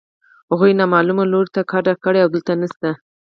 هغوی نامعلوم لوري ته کډه کړې او دلته نشته